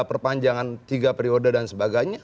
perpanjangan tiga periode dan sebagainya